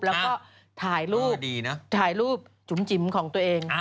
แล้วก็ถ่ายรูปจุ่มจิ๋มของตัวเอง